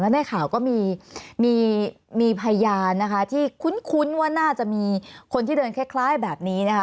ในข่าวก็มีพยานนะคะที่คุ้นว่าน่าจะมีคนที่เดินคล้ายแบบนี้นะคะ